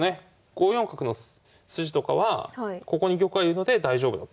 ５四角の筋とかはここに玉がいるので大丈夫だということになります。